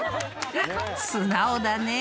［素直だね！